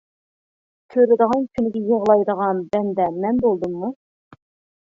كۆرىدىغان كۈنىگە يىغلايدىغان بەندە مەن بولدۇممۇ.